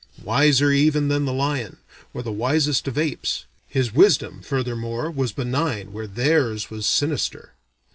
Wiser even than the lion, or the wisest of apes, his wisdom furthermore was benign where theirs was sinister.